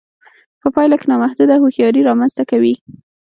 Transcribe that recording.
په پایله کې نامحدوده هوښیاري رامنځته کوي